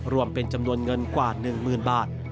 รวมเป็นจำนวนเงินกว่า๑๐๐๐บาท